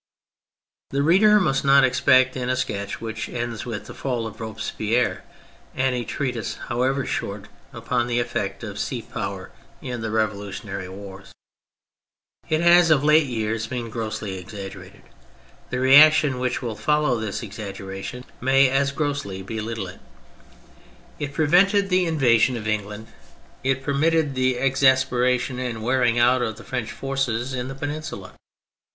The reader must not expect in a sketch which ends with the fall of Robespierre any treatise, however short, upon the effect of sea power in the revolutionary wars. It has of late years been grossly exaggerated, the reaction which will follow this exaggeration may as grossly belittle it. It prevented the 214 THE FRENCH REVOLUTION invasion of England, it permitted the exas peration and wearing out of the French forces in the Peninsula.